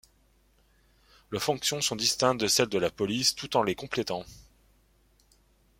Leurs fonctions sont distinctes de celles de la police, tout en les complétant.